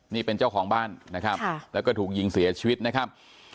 นี่เป็นเจ้าของบ้านนะครับแล้วก็ถูกยิงเสียชีวิตนะครับ